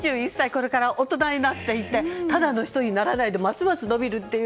これから大人になっていってただの人にならないでますます伸びるっていう。